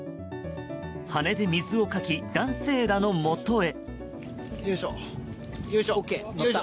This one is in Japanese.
羽で水をかき、男性らのもとへ。